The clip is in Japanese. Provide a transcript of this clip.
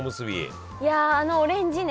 いやあのオレンジね。